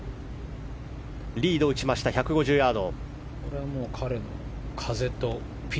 リード、打ちました１５０ヤード。